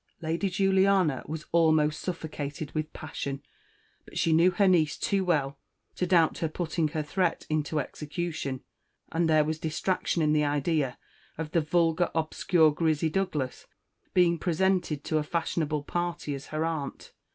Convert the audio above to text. Lady Juliana was almost suffocated with passion; but she knew her niece too well to doubt her putting her threat into execution, and there was distraction in the idea of the vulgar obscure Grizzy Douglas being presented to a fashionable party as her aunt.